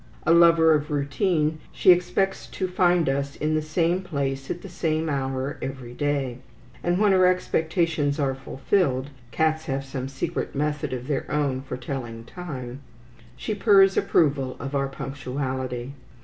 A lover of routine, she expects to find us in the same place at the same hour every day; and when her expectations are fulfilled (cats have some secret method of their own for telling time), she purrs approval of our punctuality.